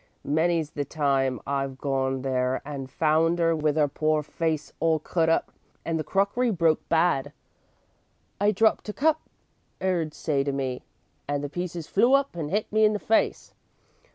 Many's the time I've gone there and found 'er with 'er poor face all cut up and the crockery broke bad. 'I dropped a cup' 'er'd say to me, 'and the pieces flew up and 'it me in the face.'